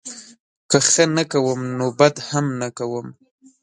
که ښه نه کوم نوبدهم نه کوم